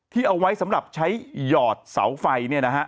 เอาไว้สำหรับใช้หยอดเสาไฟ